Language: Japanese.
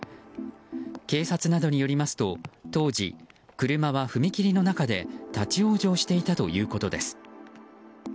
警察などによりますと当時、車は踏切の中で立ち往生していたということです。